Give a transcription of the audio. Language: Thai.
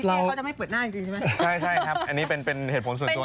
คือเราพี่เต้ก็จะไม่เปิดหน้าจริงใช่ไหม